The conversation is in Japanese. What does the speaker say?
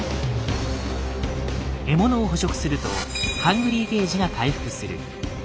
獲物を捕食すると「ＨＵＮＧＲＹ」ゲージが回復する。